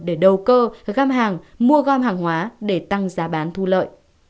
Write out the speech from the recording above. để đầu cơ găm hàng mua gom hàng hóa để tăng giá bán thu lợi